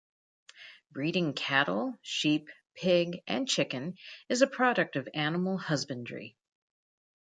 Breeding cattle, sheep, pig, and chicken is a product of animal husbandry.